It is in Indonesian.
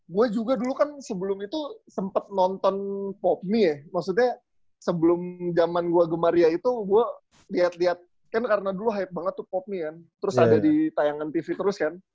gue juga dulu kan sebelum itu sempet nonton popme ya maksudnya sebelum jaman gue gemaria itu gue liat liat kan karena dulu hype banget tuh popme ya terus ada di tayangan tv terus kan